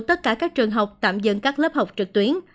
tất cả các trường học tạm dừng các lớp học trực tuyến